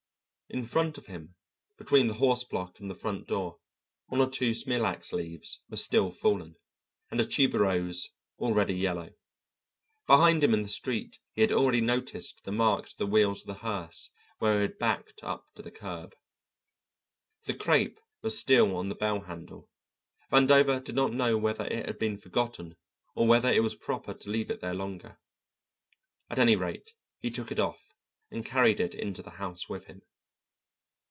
In front of him, between the horse block and the front door, one or two smilax leaves were still fallen, and a tuberose, already yellow. Behind him in the street he had already noticed the marks of the wheels of the hearse where it had backed up to the curb. The crêpe was still on the bell handle. Vandover did not know whether it had been forgotten, or whether it was proper to leave it there longer. At any rate he took it off and carried it into the house with him.